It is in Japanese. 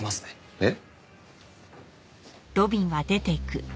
えっ？